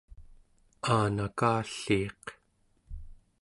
Aanakalliiq